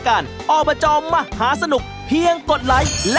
เอาแล้วตอนนี้นับนะฮะ